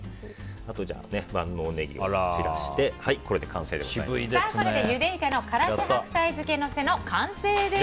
あと万能ネギを散らしてゆでイカの辛子白菜漬けのせの完成です。